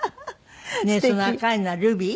ねえその赤いのはルビー？